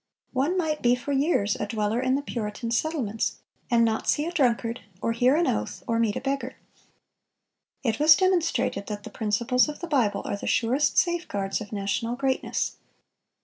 One might be for years a dweller in the Puritan settlements, "and not see a drunkard, or hear an oath, or meet a beggar."(448) It was demonstrated that the principles of the Bible are the surest safeguards of national greatness.